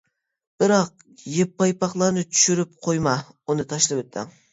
بىراق يىپ پايپاقلارنى چۈشۈرۈپ قويما-ئۇنى تاشلىۋېتىڭ!